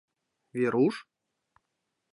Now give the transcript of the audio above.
— Веруш?